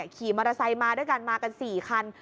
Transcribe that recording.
ขี่มอเตอร์ไซค์มาด้วยกันมากัน๔คัน